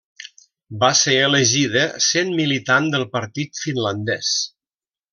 Va ser elegida sent militant del Partit Finlandès.